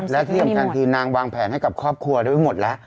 และที่อย่างกันคือนางวางแผนให้กับครอบครัวโดยไม่หมด